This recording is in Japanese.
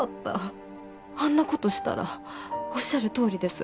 あんなことしたらおっしゃるとおりです